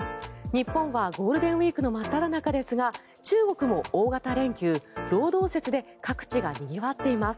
日本はゴールデンウィークの真っただ中ですが中国も大型連休、労働節で各地がにぎわっています。